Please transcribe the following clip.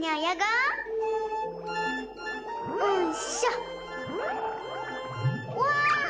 うわ！